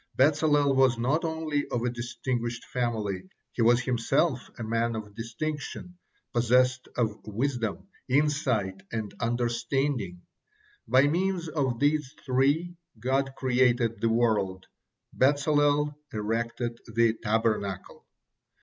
Bezalel was not only of a distinguished family, he was himself a man of distinction, possessed of wisdom, insight, and understanding. By means of these three God created the world; Bezalel erected the Tabernacle.